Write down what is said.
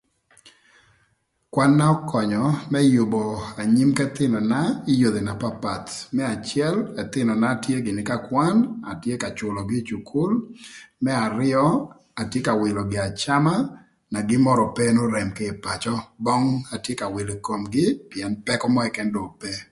Kwan-na ökönyö më yübö anyim k'ëthïnöna kï yodhi na papath më acël, ëthïnöna tye gïnï ka kwan, atye ka cülögï ï cukul, më arïö atye ka wïlö gin acama na gin mörö ope n'orem kï ï pacö, böng atye ka wïlö ï komgï pïën pëkö mörö këkën do ope.